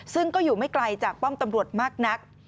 ซึ่งก็อยู่ไม่ไกลจากป้อมตำรวจมากนัก